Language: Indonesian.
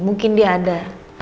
mungkin dia ada